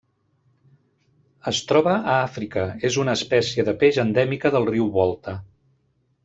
Es troba a Àfrica: és una espècie de peix endèmica del riu Volta.